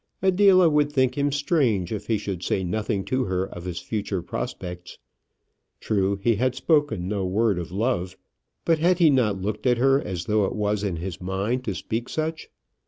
Adela would think him strange if he should say nothing to her of his future prospects. True, he had spoken no word of love, but had he not looked at her as though it was in his mind to speak such?